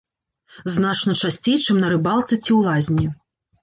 Значна часцей, чым на рыбалцы ці ў лазні.